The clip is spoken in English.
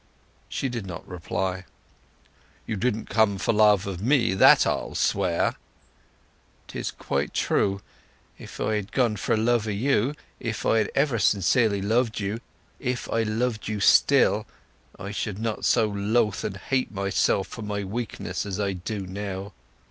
She did not reply. "You didn't come for love of me, that I'll swear." "'Tis quite true. If I had gone for love o' you, if I had ever sincerely loved you, if I loved you still, I should not so loathe and hate myself for my weakness as I do now!...